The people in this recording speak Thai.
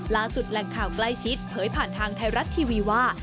แหล่งข่าวใกล้ชิดเผยผ่านทางไทยรัฐทีวีว่า